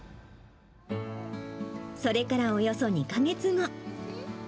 それからおよそ２か月後。